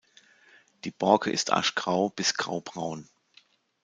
Die Borke ist aschgrau bis graubraun.